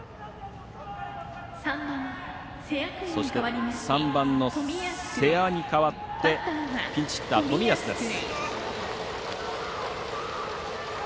そして３番の瀬谷に代わってピンチヒッター冨安です。